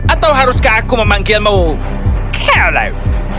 atau haruskah aku memanggilmu carelive